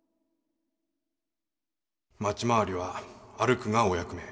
町廻りは歩くがお役目。